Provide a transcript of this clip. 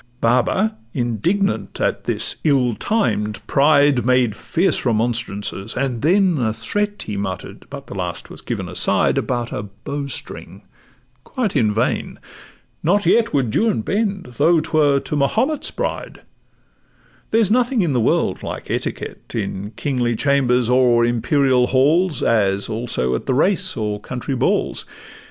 Baba, indignant at this ill timed pride, Made fierce remonstrances, and then a threat He mutter'd (but the last was given aside) About a bow string—quite in vain; not yet Would Juan bend, though 'twere to Mahomet's bride: There's nothing in the world like etiquette In kingly chambers or imperial halls, As also at the race and county balls.